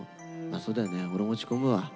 そうだよね俺も落ち込むわ。